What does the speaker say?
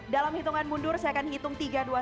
dalam hitungan mundur saya akan hitung tiga dua satu